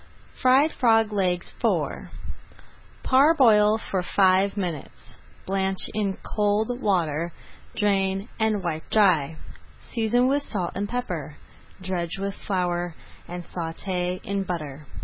FRIED FROG LEGS IV Parboil for five minutes, blanch in cold [Page 152] water, drain, and wipe dry. Season with salt and pepper, dredge with flour, and sauté in butter.